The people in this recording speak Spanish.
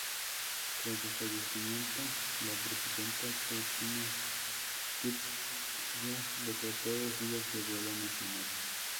Tras su fallecimiento la Presidenta Cristina Kirchner decretó dos días de duelo nacional.